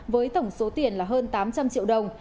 với tổng số tiền là hơn tám trăm linh triệu đồng